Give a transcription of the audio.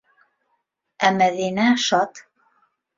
Ә Мәҙинә шат.